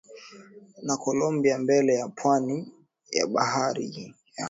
na Kolombia Mbele ya pwani ya Bahari ya